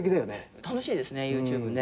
楽しいですねＹｏｕＴｕｂｅね。